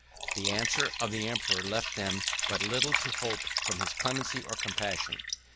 The answer of the emperor left them but little to hope from his clemency or compassion.